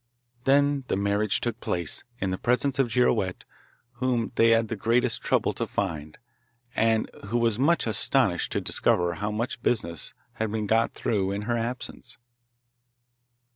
Then the marriage took place, in the presence of Girouette, whom they had the greatest trouble to find, and who was much astonished to discover how much business had been got through in her absence.